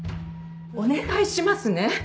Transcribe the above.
お願いしますね。